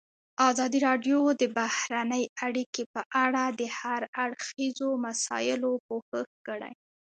ازادي راډیو د بهرنۍ اړیکې په اړه د هر اړخیزو مسایلو پوښښ کړی.